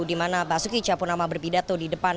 di mana basuki cahapurnama berpidato di depan